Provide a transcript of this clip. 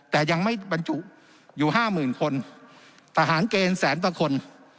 แต่ยังไม่อยู่ห้าหมื่นคนทหารเกณฑ์แสนพระคน